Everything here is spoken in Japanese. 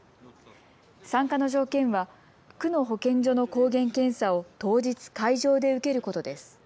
参加の条件は区の保健所の抗原検査を当日、会場で受けることです。